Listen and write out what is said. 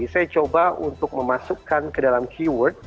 saya coba untuk memasukkan ke dalam keyword